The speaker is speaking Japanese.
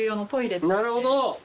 なるほど。